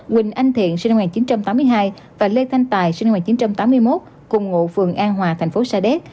quỳnh anh thiện sinh năm một nghìn chín trăm tám mươi hai và lê thanh tài sinh năm một nghìn chín trăm tám mươi một cùng ngụ phường an hòa thành phố sa đéc